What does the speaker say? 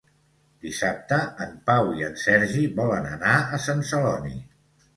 Dissabte en Pau i en Sergi volen anar a Sant Celoni.